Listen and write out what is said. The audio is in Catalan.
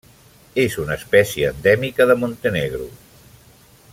És una espècie endèmica de Montenegro.